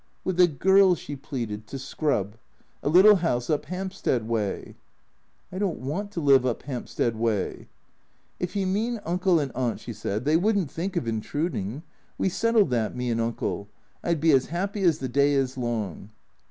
" With a girl," she pleaded, " to scrub. A little house up Hampstead way." " I don't want to live up Hampstead way." " If you mean Uncle and Aunt," she said, " they would n't think of intrudin'. We settled that, me and Uncle. I 'd be as happy as the day is long."